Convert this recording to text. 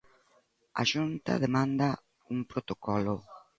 A Xunta demanda un protocolo.